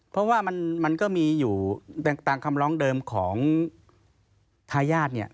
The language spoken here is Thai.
เพราะว่ามันก็มีอยู่ตามคำร้องเดิมของทายาทเนี่ย